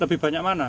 lebih banyak mana